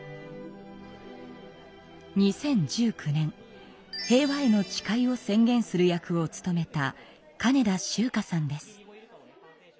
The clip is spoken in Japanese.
２０１９年「平和への誓い」を宣言する役を務めた金田秋佳さんです。